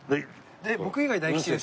僕以外大吉です。